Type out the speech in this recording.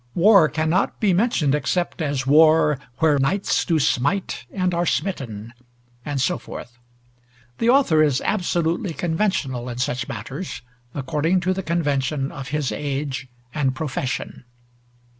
War cannot be mentioned except as war "where knights do smite and are smitten," and so forth. The author is absolutely conventional in such matters, according to the convention of his age and profession.